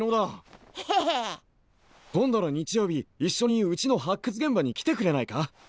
今度の日曜日いっしょにうちの発掘現場に来てくれないか？